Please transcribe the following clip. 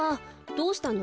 どうしたの？